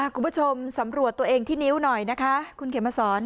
คุณผู้ชมสำรวจตัวเองที่นิ้วหน่อยนะคะคุณเขมมาสอน